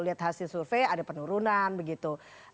lihat hasil survei ada penurunan begitu